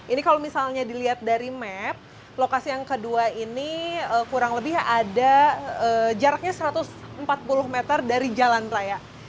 ini kalau misalnya dilihat dari map lokasi yang kedua ini kurang lebih ada jaraknya satu ratus empat puluh meter dari jalan raya